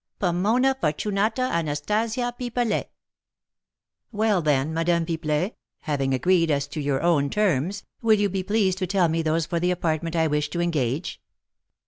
"Pomona Fortunata Anastasia Pipelet." "Well, then, Madame Pipelet, having agreed as to your own terms, will you be pleased to tell me those for the apartment I wish to engage?"